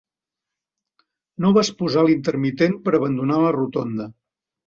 No vas posar l'intermitent per abandonar la rotonda.